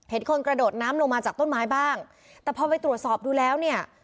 คนกระโดดน้ำลงมาจากต้นไม้บ้างแต่พอไปตรวจสอบดูแล้วเนี่ย